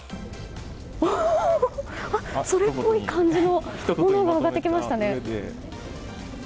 それっぽい感じのものが挙がってきましたね。